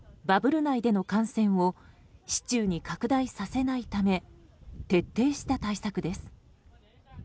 バブル内での感染を市中に拡大させないため徹底した対策です。